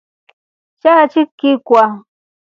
Chashi chikwa.